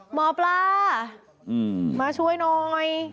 หมอปลามาช่วยหน่อย